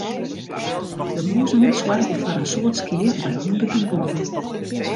De mûzen soargje foar in soad skea by hûnderten boeren.